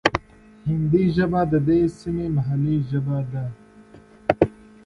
Hindi is the Local Language here.